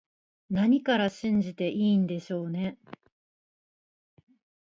何から信じていいんでしょうね